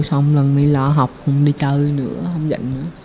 suy nghĩ là thôi xong lần đi lo học không đi chơi nữa không dành nữa